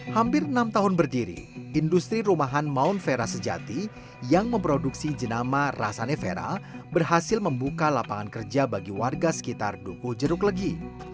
hampir enam tahun berdiri industri rumahan maun vera sejati yang memproduksi jenama rasanevera berhasil membuka lapangan kerja bagi warga sekitar dukuh jeruk legi